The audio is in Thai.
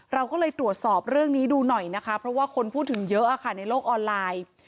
เราก็เลยตรวจสอบเรื่องนี้ดูหน่อยนะคะเพราะว่าคนพูดถึงเยอะค่ะในโลกออนไลน์